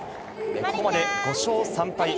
ここまで５勝３敗。